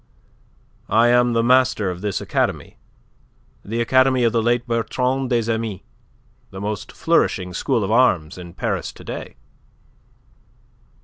"I am the master of this academy the academy of the late Bertrand des Amis, the most flourishing school of arms in Paris to day."